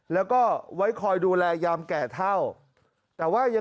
แล้วก็ไว้คอยดูแลยามแก่เท่า